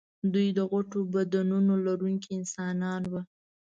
دوی د غټو بدنونو لرونکي انسانان وو.